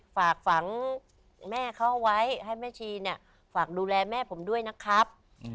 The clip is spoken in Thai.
ฝากฝังแม่เขาไว้ให้แม่ชีเนี่ยฝากดูแลแม่ผมด้วยนะครับ